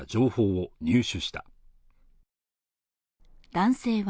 男性は